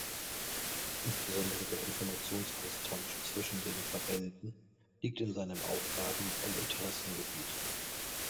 Insbesondere der Informationsaustausch zwischen den Verbänden liegt in seinem Aufgaben- und Interessensgebiet.